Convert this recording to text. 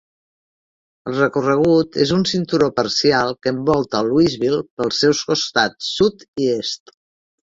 El recorregut és un cinturó parcial que envolta Louisville pels seus costats sud i est.